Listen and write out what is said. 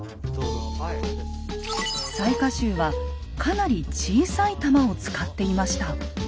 雑賀衆はかなり小さい弾を使っていました。